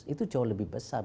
itu jauh lebih besar